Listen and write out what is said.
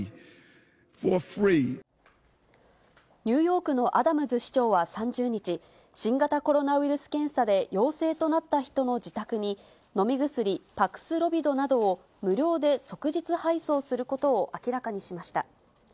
ニューヨークのアダムズ市長は３０日、新型コロナウイルス検査で陽性となった人の自宅に、飲み薬、パクスロビドなどを、無料で即日配送することを明らかにしました。